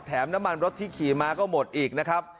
น้ำมันรถที่ขี่มาก็หมดอีกนะครับ